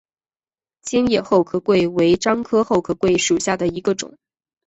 尖叶厚壳桂为樟科厚壳桂属下的一个种。